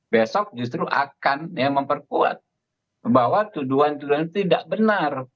besok justru akan memperkuat bahwa tuduhan tuduhan itu tidak benar